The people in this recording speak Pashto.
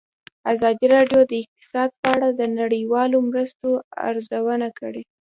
ازادي راډیو د اقتصاد په اړه د نړیوالو مرستو ارزونه کړې.